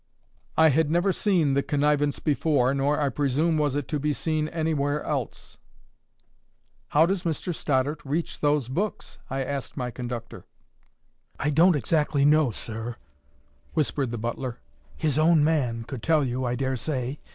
I had never seen the connivance before, nor, I presume, was it to be seen anywhere else. "How does Mr Stoddart reach those books?" I asked my conductor. "I don't exactly know, sir," whispered the butler. "His own man could tell you, I dare say.